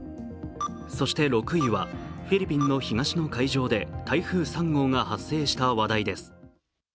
そして６位はフィリピンの東の海上で台風３号が発生した話題です。